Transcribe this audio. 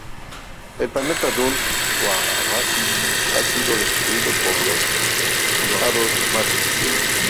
El planeta Dune, o Arrakis, ha sido destruido por las Honoradas Matres.